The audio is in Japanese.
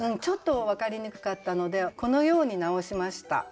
ちょっと分かりにくかったのでこのように直しました。